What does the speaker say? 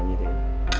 như thế này